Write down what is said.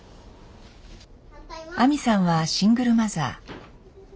亜実さんはシングルマザー。